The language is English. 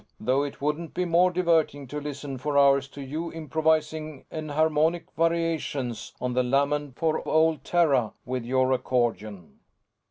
Though it wouldn't be more diverting to listen for hours to you improvising enharmonic variations on the Lament for Old Terra with your accordion."